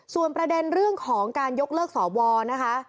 ส่วนประเด็นเรื่องของการยกเลิกสวนะคะ